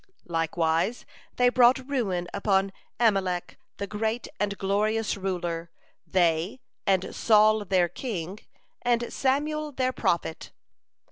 Likewise they brought ruin upon Amalek, the great and glorious ruler they, and Saul their king, and Samuel their prophet.